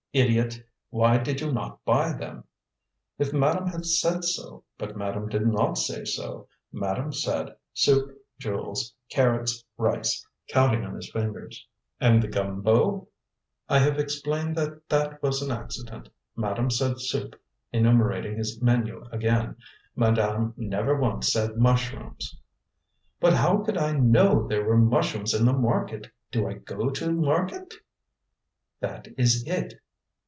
"Idiot! Why did you not buy them?" "If madame had said so; but madame did not say so. Madame said, 'Soup, Jules; carrots, rice,'" counting on his fingers. "And the gumbo?" "I have explained that that was an accident. Madame said 'Soup,'" enumerating his menu again; "madame never once said mushrooms." "But how could I know there were mushrooms in the market? Do I go to market?" "That is it!"